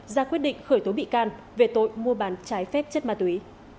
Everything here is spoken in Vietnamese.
ra quyết định khởi tố bị can về tội mua bán trái phép chất ma túy